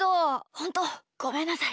ほんとごめんなさい。